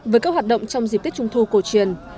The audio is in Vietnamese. với các hoạt động trong dịp tết trung thu cổ truyền